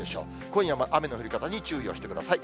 今夜も雨の降り方に注意をしてください。